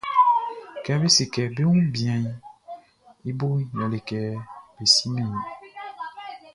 Kɛ be se kɛ be wun bianʼn, i boʼn yɛle kɛ be simɛn i.